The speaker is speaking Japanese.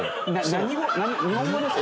何日本語ですか？